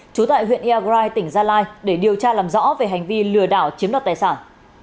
trú tại huyện iagrai tỉnh gia lai để điều tra làm rõ về hành vi lừa đảo chiếm đoạt tài sản